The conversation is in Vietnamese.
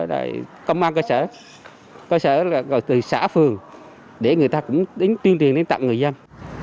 tại công an cơ sở cơ sở từ xã phường để người ta cũng tiên truyền đến tặng người dân